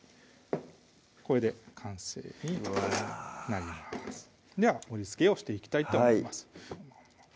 これで完成になりますでは盛りつけをしていきたいと思います